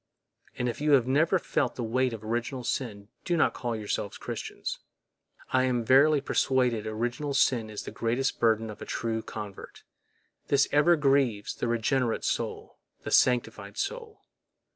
And if you have never felt the weight of original sin, do not call yourselves Christians. I am verily persuaded original sin is the greatest burden of a true convert; this ever grieves the regenerate soul, the sanctified soul.